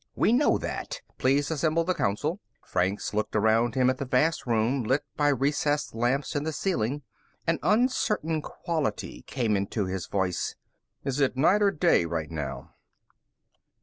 "We know that. Please assemble the Council." Franks looked around him at the vast room, lit by recessed lamps in the ceiling. An uncertain quality came into his voice. "Is it night or day right now?"